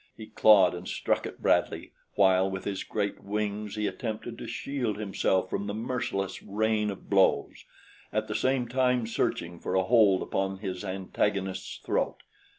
He clawed and struck at Bradley while with his great wings he attempted to shield himself from the merciless rain of blows, at the same time searching for a hold upon his antagonist's throat.